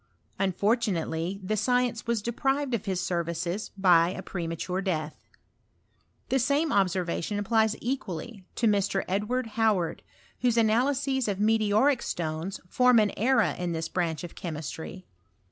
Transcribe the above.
Unfortunately the science was deprived of his services by a premature death. The same observa tion applies equally to Mr. Edward Howard, whose analyses of meteoric stones form an era in this branch of chemistry.